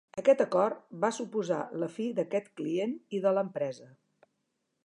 Aquest acord va suposar la fi d'aquest client i de l'empresa.